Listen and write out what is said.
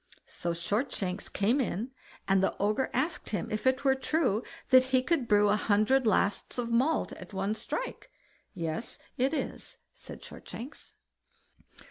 So Shortshanks came in, and the Ogre asked him if it were true that he could brew a hundred lasts of malt at a strike? "Yes it is", said Shortshanks.